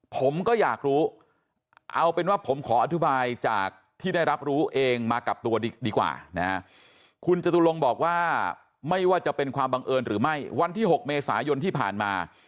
พระตุลงศ์บอกว่าไม่ว่าจะเป็นความบังเอิญหรือไม่วันที่๖เมษายนที่ผ่านมา